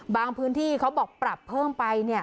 พื้นที่เขาบอกปรับเพิ่มไป